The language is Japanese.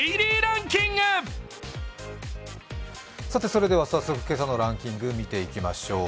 それでは早速、今朝のランキングを見ていきましょう。